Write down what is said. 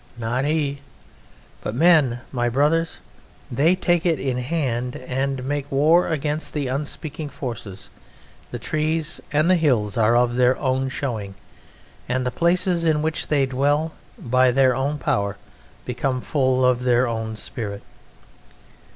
Not he! But men my brothers they take it in hand and make war against the unspeaking forces; the trees and the hills are of their own showing, and the places in which they dwell, by their own power, become full of their own spirit.